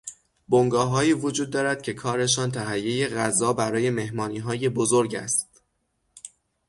بنگاههایی وجود دارد که کارشان تهیهی غذا برای مهمانیهای بزرگ است.